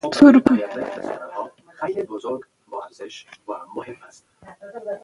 ماشومان د ښوونځي له ملګرو سره لوبې کوي